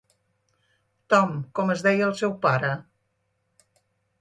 Tom com es deia el seu pare.